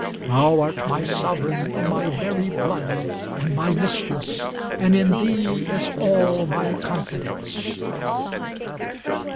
Thou art my sovereign in my very blood; and my mistress; and in thee is all my confidence_.